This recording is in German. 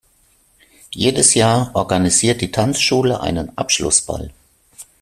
Jedes Jahr organisiert die Tanzschule einen Abschlussball.